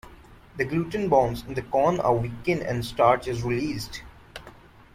The gluten bonds in the corn are weakened and starch is released.